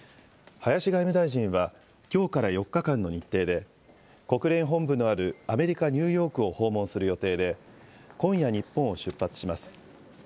林外務大臣は、きょうから４日間の日程で、国連本部のあるアメリカ・ニューヨークを訪問する予定で、今夜、日本を出発します。